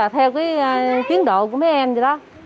theo kiến độ của mấy em vậy đó